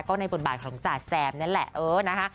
ก็ในบทบาทของจ่าแซมนั่นแหละเออนะคะ